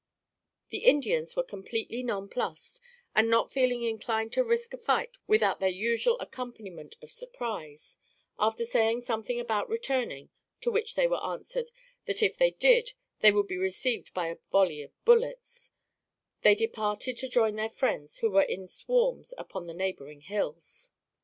The Indians were completely nonplused, and not feeling inclined to risk a fight without their usual accompaniment of a surprise, after saying something about returning, to which they were answered "that if they did they would be received by a volley of bullets," they departed to join their friends who were in swarms upon the neighboring hills.